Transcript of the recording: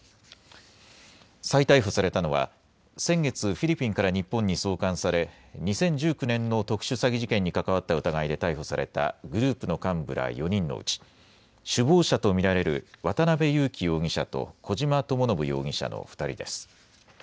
再逮捕されたのは先月、フィリピンから日本に送還され２０１９年の特殊詐欺事件に関わった疑いで逮捕されたグループの幹部ら４人のうち首謀者と見られる渡邉優樹容疑者と小島智信容疑者の２人です。